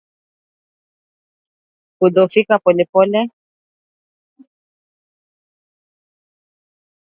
Kudhoofika polepole